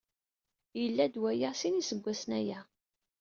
Yalla-d waya sin iseggasen aya.